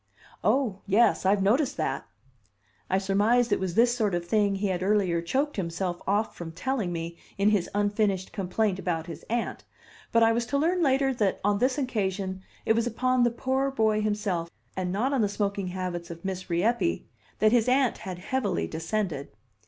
"Oh, yes! I've noticed that." I surmised it was this sort of thing he had earlier choked himself off from telling me in his unfinished complaint about his aunt; but I was to learn later that on this occasion it was upon the poor boy himself and not on the smoking habits of Miss Rieppe, that his aunt had heavily descended.